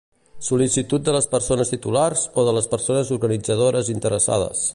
Sol·licitud de les persones titulars o de les persones organitzadores interessades.